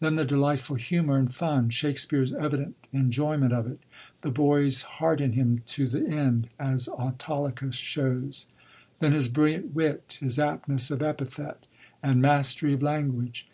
Then the delightful humour and fun ; Shakspere's evident enjoyment of it ; the boy's heart in h\ny to the end, as Autolycus shows. Then his brilliant wit, his aptness of epithet, and mastery of language.